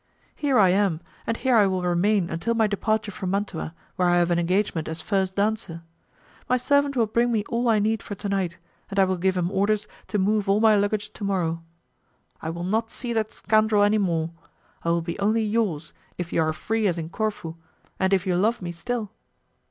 Here I am, and here I will remain until my departure for Mantua where I have an engagement as first dancer. My servant will bring me all I need for to night, and I will give him orders to move all my luggage to morrow. I will not see that scoundrel any more. I will be only yours, if you are free as in Corfu, and if you love me still."